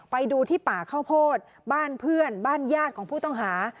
ไปดูที่ป่าข้าวโพดบ้านเพื่อนบ้านญาติของผู้ต้องหา